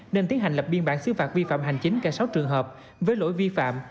nên tiến hành lập biên bản xứ phạt vi phạm hành chính cả sáu trường hợp với lỗi vi phạm